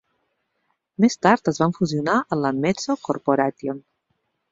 Més tard es van fusionar en la METSO Corporation.